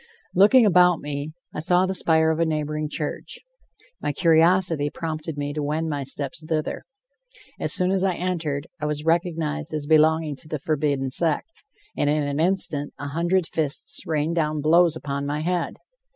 Looking about me, I saw the spire of a neighboring church. My curiosity prompted me to wend my steps thither. As soon as I entered, I was recognized as belonging to the forbidden sect, and in an instant a hundred fists rained down blows upon my head.